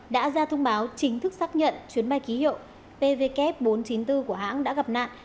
đã ra thông báo chính thức xác nhận chuyến bay ký hiệu pvk bốn trăm chín mươi bốn của hãng đã gặp nạn